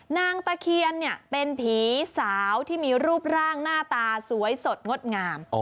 นางตะเคียนเนี่ยเป็นผีสาวที่มีรูปร่างหน้าตาสวยสดงดงาม